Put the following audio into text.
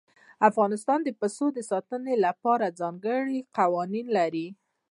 افغانستان د پسونو د ساتنې لپاره ځانګړي قوانين لري.